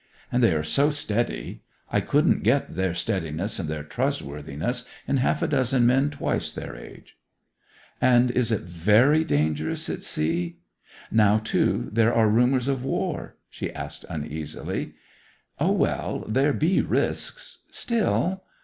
And they are so steady. I couldn't get their steadiness and their trustworthiness in half a dozen men twice their age.' 'And is it very dangerous at sea; now, too, there are rumours of war?' she asked uneasily. 'O, well, there be risks. Still